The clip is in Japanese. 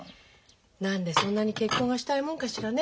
何でそんなに結婚がしたいもんかしらね。